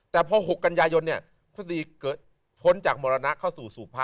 แต่พอ๖กันยายนเนี่ยทฤษฎีเกิดพ้นจากมรณะเข้าสู่สู่พระ